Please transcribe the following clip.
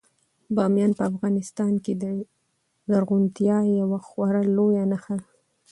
بامیان په افغانستان کې د زرغونتیا یوه خورا لویه نښه ده.